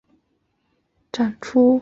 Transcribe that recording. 其头部现在在德罗赫达的中展出。